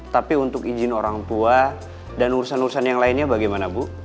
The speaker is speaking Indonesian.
tapi untuk izin orang tua dan urusan urusan yang lainnya bagaimana bu